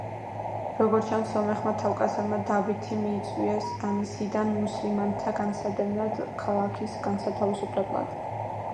როგორც ჩანს, სომეხმა თავკაცებმა დავითი მიიწვიეს ანისიდან მუსლიმანთა განსადევნად და ქალაქის გასათავისუფლებლად.